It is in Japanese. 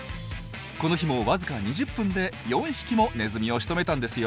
この日もわずか２０分で４匹もネズミをしとめたんですよ。